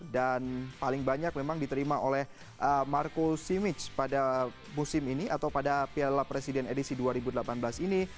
dan paling banyak memang diterima oleh marco simic pada musim ini atau pada piala presiden edisi dua ribu delapan belas ini